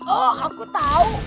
oh aku tau